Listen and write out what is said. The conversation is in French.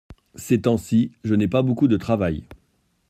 Ces temps-ci je n’ai pas beaucoup de travail.